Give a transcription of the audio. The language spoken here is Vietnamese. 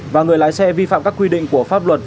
và người lái xe vi phạm các quy định của pháp luật